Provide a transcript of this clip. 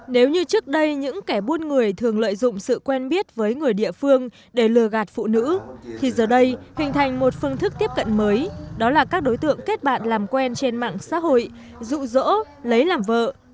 nếu như trước đây những kẻ buôn người thường lợi dụng sự quen biết với người địa phương để lừa gạt phụ nữ thì giờ đây hình thành một phương thức tiếp cận mới đó là các đối tượng kết bạn làm quen trên mạng xã hội dụ dỗ lấy làm vợ